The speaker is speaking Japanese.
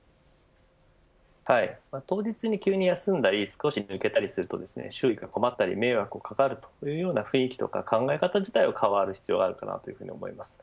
はい、当日に急に休んだり少し抜けたりすると周囲が困ったり迷惑が掛かるという雰囲気とか考え方自体が変わる必要があると思います。